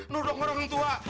nuduk orang tua